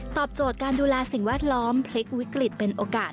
โจทย์การดูแลสิ่งแวดล้อมพลิกวิกฤตเป็นโอกาส